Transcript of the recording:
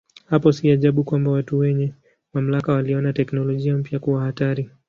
Hapo si ajabu kwamba watu wenye mamlaka waliona teknolojia mpya kuwa hatari.